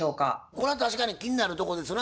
これは確かに気になるとこですな。